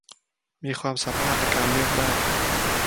มีความสามารถในการเลือกได้